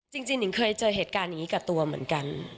จริงหนิงเคยเจอเหตุการณ์นี้กับตัวเหมือนกัน